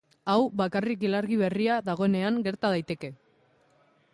Hau bakarrik ilargi berria dagoenean gerta daiteke.